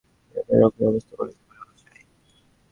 ইহাকে রক্ষণশীলতার অবস্থা বলিতে পারা যায়।